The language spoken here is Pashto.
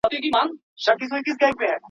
جهاني د ړندو ښار دی هم کاڼه دي هم ګونګي دي.